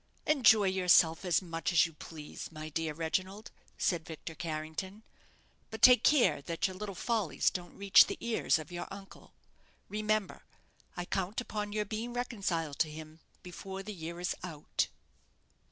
"Enjoy yourself as much as you please, my dear Reginald," said Victor Carrington; "but take care that your little follies don't reach the ears of your uncle. Remember, I count upon your being reconciled to him before the year is out."